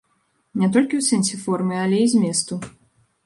Не толькі ў сэнсе формы, але і зместу.